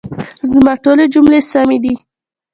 زما ټولي جملې سمي دي؟